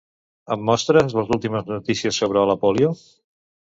Em mostres les últimes notícies sobre la pòlio?